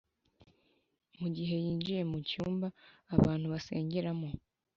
mugihe yinjiye mucyumba abantu basengeramo